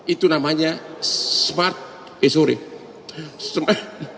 itu namanya smart eh sorry